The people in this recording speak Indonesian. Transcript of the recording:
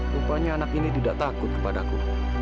bukannya anak ini tidak takut kepada aku